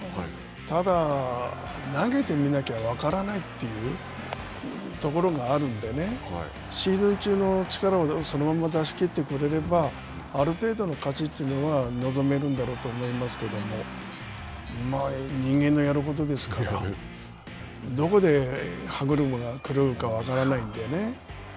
ただ、投げてみなきゃ分からないところがあるんでね、シーズン中の力をそのまま出し切ってくれれば、ある程度の勝ちというのは臨めるんだろうと思いますけども、まあ、人間のやることですから、どこで歯車が狂うか分からないんでね。